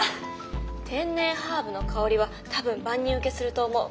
天然ハーブの香りは多分万人受けすると思う。